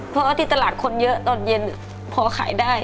เพราะว่าที่ตลาดคนเยอะตอนเย็นพอขายได้